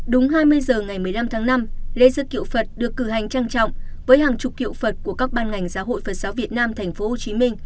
đúng hai mươi h ngày một mươi năm tháng năm lễ gia kiệu phật được cử hành trang trọng với hàng chục kiệu phật của các ban ngành giáo hội phật giáo việt nam tp hcm